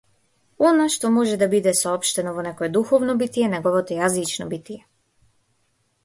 Она што може да биде соопштено во некое духовно битие е неговото јазично битие.